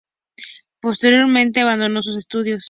Posteriormente abandonó sus estudios.